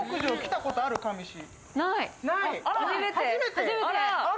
初めて。